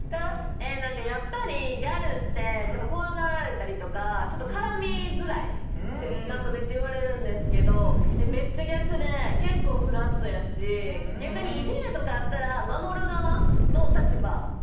えなんかやっぱりギャルってちょっと怖がられたりとか絡みづらいってなんかめっちゃ言われるんですけどめっちゃ逆で結構フラットやし逆にいじめとかあったら守る側の立場っていうのが分かりやすいのかな。